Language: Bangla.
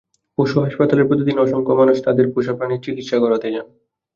পশু হাসপাতালে প্রতিদিন অসংখ্য মানুষ তাঁদের পোষা প্রাণীর চিকিৎসা করাতে যান।